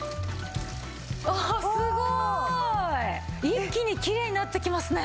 一気にきれいになっていきますね！